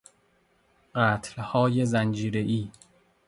قتل های زنجیره ای